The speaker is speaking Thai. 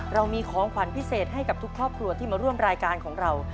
เรามีของขวัญพิเศษให้กับทุกครอบครัวที่มาร่วมรายการของเรา